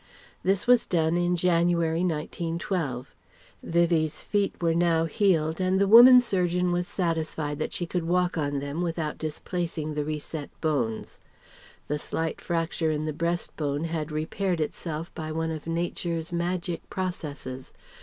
This was done in January, 1912. Vivie's feet were now healed and the woman surgeon was satisfied that she could walk on them without displacing the reset bones. The slight fracture in the breastbone had repaired itself by one of Nature's magic processes.